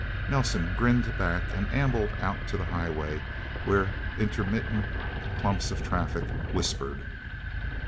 Nelsen grinned back, and ambled out to the highway, where intermittent clumps of traffic whispered.